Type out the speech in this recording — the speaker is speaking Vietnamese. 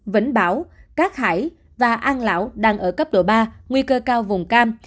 vĩnh bảo cát hải và an lão đang ở cấp độ ba nguy cơ cao vùng cam